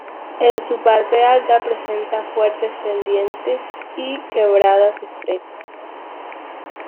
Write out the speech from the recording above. En su parte alta presenta fuertes pendientes y quebradas estrechas.